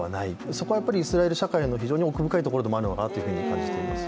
そこはやっぱりイスラエル社会の非常に奥深いところなのかなとも思います。